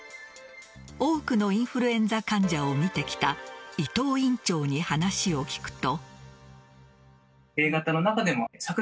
多くのインフルエンザ患者を診てきた伊藤院長に話を聞くと。